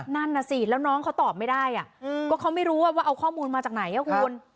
นั่นน่ะสิแล้วน้องเขาตอบไม่ได้ก็เขาไม่รู้ว่าเอาข้อมูลมาจากไหนคุณ